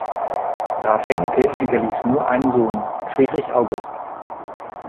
Graf Hennicke hinterließ nur einen Sohn: Friedrich August.